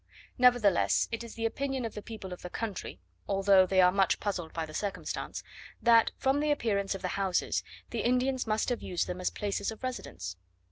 Nevertheless it is the opinion of the people of the country (although they are much puzzled by the circumstance), that, from the appearance of the houses, the Indians must have used them as places of residence.